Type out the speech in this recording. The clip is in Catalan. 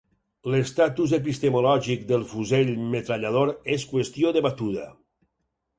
L'estatus epistemològic del fusell metrallador és qüestió debatuda.